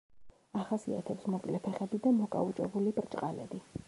ახასიათებს მოკლე ფეხები და მოკაუჭებული ბრჭყალები.